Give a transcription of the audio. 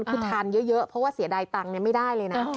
คือทานเยอะเพราะว่าเสียดายตังค์ไม่ได้เลยนะ